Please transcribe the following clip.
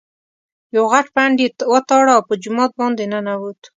یو غټ پنډ یې وتاړه او په جومات باندې ننوت.